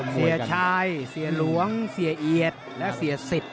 เสียชายเสียหลวงเสียเอียดและเสียสิทธิ